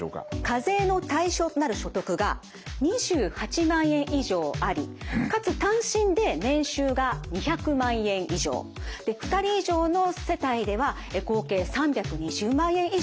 課税の対象となる所得が２８万円以上ありかつ単身で年収が２００万円以上で２人以上の世帯では合計３２０万円以上あるという場合です。